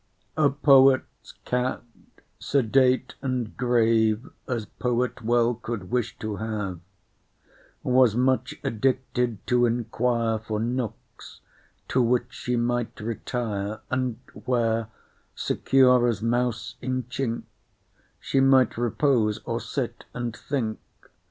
A poet's cat, sedate and grave As poet well could wish to have, Was much addicted to inquire For nooks to which she might retire, And where, secure as mouse in chink, She might repose, or sit and think.